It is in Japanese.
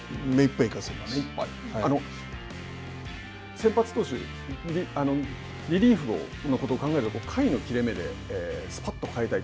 先発投手、リリーフのことを考えると、回の切れ目で、すぱっと代えたい。